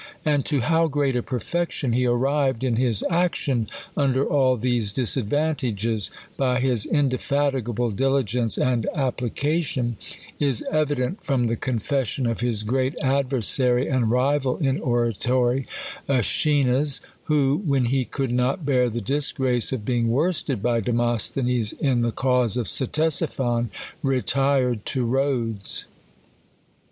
And to how great a perfection he arrived in his action, under all these disadvantages, by his inde fatigable diligence and application, is evident from the confession of his great adversary and rival in oratory, Eschines ; who, when he could not bear the disgrace of being worsted by Demosthenes in the cause of Ctesipii^n, retired to Rhodes.